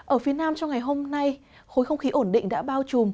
ở phía nam trong ngày hôm nay khối không khí ổn định đã bao trùm